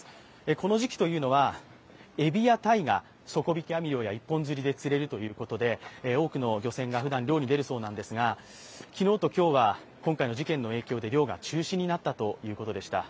この時期というのは、えびやたいが底引き網漁や、一本釣りで釣れるということで、多くの漁船がふだん漁に出るそうなんですが、昨日と今日は今回の事件の影響で漁が中止になったということでした。